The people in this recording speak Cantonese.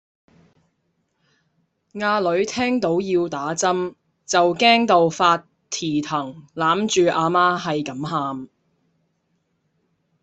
阿女聽到要打針就驚到發蹄騰攬住阿媽喺咁喊